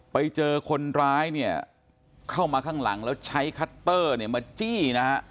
ไปเจอคนร้ายเข้ามาข้างหลังแล้วใช้คัตเตอร์มาจี้